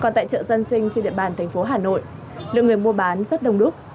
còn tại chợ dân sinh trên địa bàn thành phố hà nội lượng người mua bán rất đông đúc